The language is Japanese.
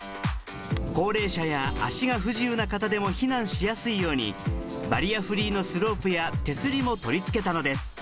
高齢者や足が不自由な方でも避難しやすいようにバリアフリーのスロープや手すりも取り付けたのです。